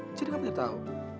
oh jadi kamu udah tau